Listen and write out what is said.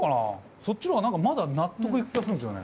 そっちの方が何かまだ納得いく気がするんすよね。